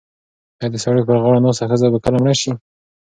ایا د سړک پر غاړه ناسته ښځه به کله مړه شي؟